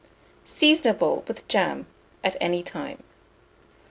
Seasonable, with jam, at any time.